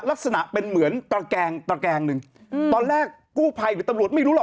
ลักษณะเป็นเหมือนตระแกงตระแกงหนึ่งอืมตอนแรกกู้ภัยหรือตำรวจไม่รู้หรอก